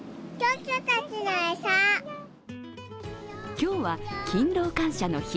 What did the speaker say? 今日は勤労感謝の日。